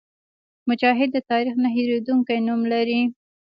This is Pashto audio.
مجاهد د تاریخ نه هېرېدونکی نوم لري.